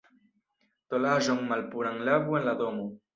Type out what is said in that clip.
Tolaĵon malpuran lavu en la domo.